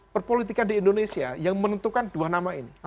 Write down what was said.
perpolitikan di indonesia yang menentukan dua nama ini